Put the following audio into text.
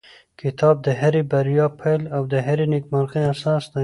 کتاب د هرې بریا پیل او د هرې نېکمرغۍ اساس دی.